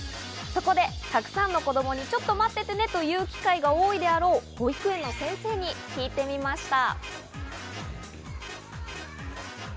そこでたくさんの子供にちょっと待っててねという機会が多いであろう保育園の先生に聞いてみました。